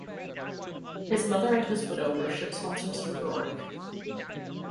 His mother and his widow were ship sponsors for "Roark".